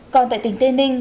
còn tại tỉnh tây ninh